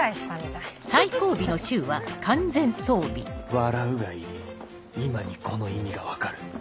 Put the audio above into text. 笑うがいい今にこの意味が分かる